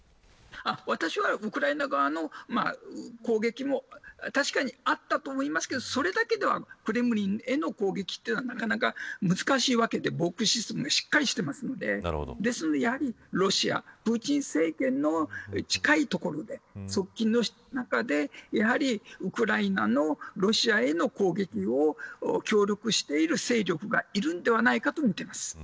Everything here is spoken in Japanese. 私はウクライナ側の攻撃も確かにあったと思いますがそれだけではクレムリンへの攻撃はなかなか難しいわけで防空システムがしっかりしているのでですので、やはりロシアプーチン政権の近いところで、側近の中でウクライナのロシアへの攻撃を協力している勢力がいるのではないかとみています。